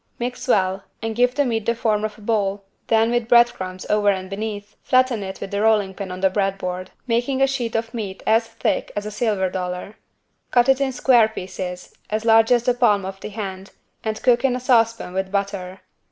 Mix well and give the meat the form of a ball then with bread crumbs over and beneath flatten it with the rolling pin on the bread board making a sheet of meat as thick as a silver dollar. Cut it in square pieces, as large as the palm of the hand and cook in a saucepan with butter.